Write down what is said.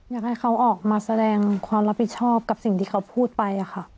อยากให้เขาออกมาแสดงความรับผิดชอบกับสิ่งที่เขาพูดไปค่ะ